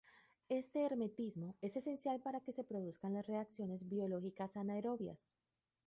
Este hermetismo es esencial para que se produzcan las reacciones biológicas anaerobias.